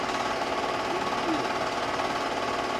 Fer el colom.